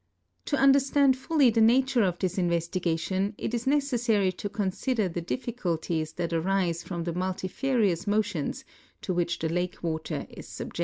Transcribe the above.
To understand fuUv the nature of this investigation it is necessary to consider the difficulties that arise from tlie multifarious mo tions to which the lake water is subject.